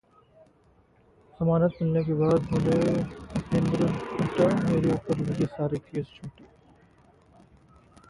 जमानत मिलने के बाद बोले भूपेंद्र हुड्डा, मेरे ऊपर लगे सारे केस झूठे